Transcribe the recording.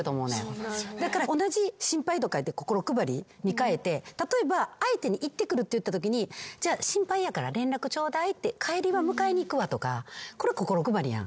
かえて例えば相手に行ってくるって言ったときにじゃあ心配やから連絡ちょうだいって帰りは迎えに行くわとかこれ心配りやん。